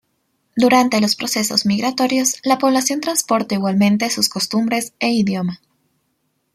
Durante los procesos migratorios, la población transporta igualmente sus costumbres e idioma.